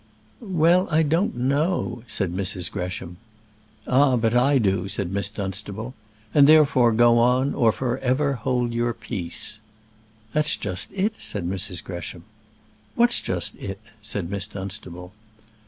_" "Well, I don't know," said Mrs. Gresham. "Ah! but I do," said Miss Dunstable. "And therefore go on, or for ever hold your peace." "That's just it," said Mrs. Gresham. "What's just it?" said Miss Dunstable.